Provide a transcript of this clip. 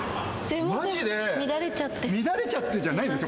乱れちゃってじゃないですよ。